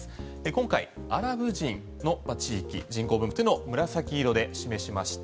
今回、アラブ人の地域人口分布、紫色で示しました。